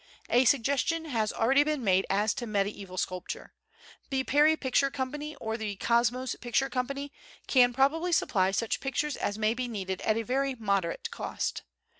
A suggestion has already been made as to medieval sculpture. The Perry Picture Company or the Cosmos Picture Company can probably supply such pictures as may be needed at a very moderate cost.